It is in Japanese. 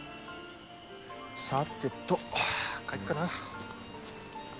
さてと帰っかな。